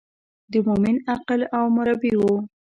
د مومن عقل او مربي و.